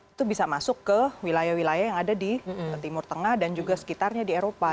itu bisa masuk ke wilayah wilayah yang ada di timur tengah dan juga sekitarnya di eropa